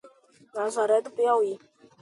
Nazaré do Piauí